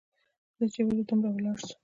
زه چې يې وليدلم راولاړ سو.